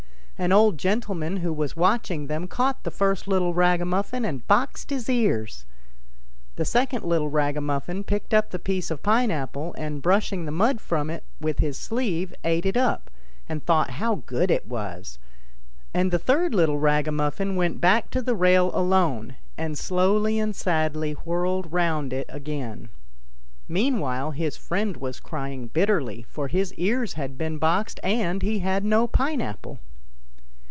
And an old gentleman who was watching them caught the first little ragamuffin and boxed his ears ; the second little ragamuffin picked up the piece of pine apple, and, brushing the mud from it with his sleeve, ate it up, and thought how good it was ; and the third little ragamuffin went back to the rail alone, and slowly and sadly whirled round it again. Meanwhile his friend was crying bitterly, for his ears had been boxed, and he had had no pine apple.